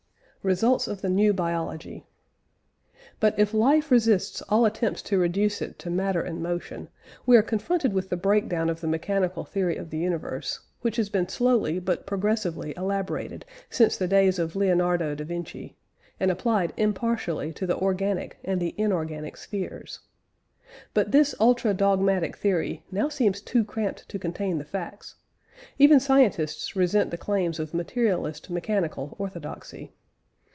RESULTS OF THE NEW BIOLOGY. But if life resists all attempts to reduce it to matter and motion, we are confronted with the breakdown of the mechanical theory of the universe, which has been slowly but progressively elaborated since the days of Leonardo da Vinci, and applied impartially to the organic and the inorganic spheres. But this ultra dogmatic theory now seems too cramped to contain the facts; even scientists resent the claims of materialist mechanical orthodoxy.